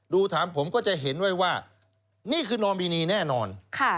ถามผมก็จะเห็นไว้ว่านี่คือนอมินีแน่นอน